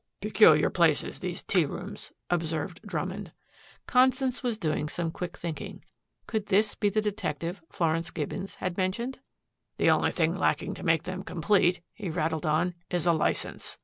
"Peculiar places, these tea rooms," observed Drummond. Constance was doing some quick thinking. Could this be the detective Florence Gibbons had mentioned? "The only thing lacking to make them complete," he rattled on, "is a license.